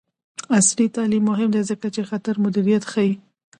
عصري تعلیم مهم دی ځکه چې د خطر مدیریت ښيي.